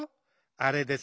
あれですね